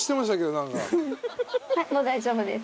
もう大丈夫です。